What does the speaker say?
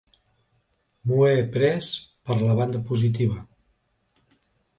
M'ho he pres per la banda positiva.